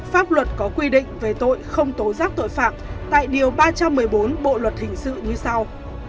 pháp luật có quy định về tội không tố giác tội phạm tại điều ba trăm một mươi bốn bộ luật hình sự như sau